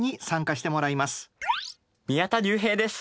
宮田隆平です。